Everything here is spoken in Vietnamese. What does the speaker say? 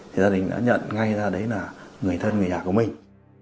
thì gia đình đã nhận ngay ra đấy là người thân người nhà của mình